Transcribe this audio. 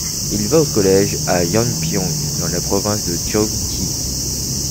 Il va au collège à Yangpyeong dans la province de Gyeonggi.